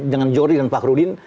dengan jordi dan fakhrudin